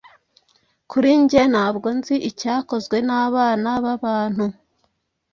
Kuri njye ntabwo nzi icyakozwe nabana babantu